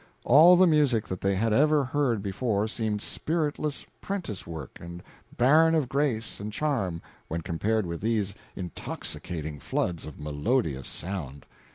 All the music that they had ever heard before seemed spiritless prentice work and barren of grace or charm when compared with these intoxicating floods of melodious sound.